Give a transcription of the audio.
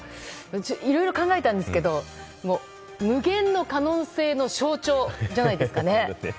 いろいろ考えたんですけど無限の可能性の象徴じゃないですか。